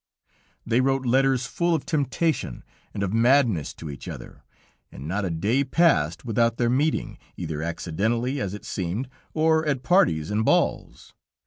"They wrote letters full of temptation and of madness to each other, and not a day passed without their meeting, either accidentally, as it seemed, or at parties and balls.